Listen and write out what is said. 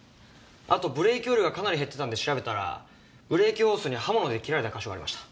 あとブレーキオイルがかなり減ってたんで調べたらブレーキホースに刃物で切られた箇所がありました。